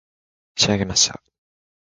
仕上げました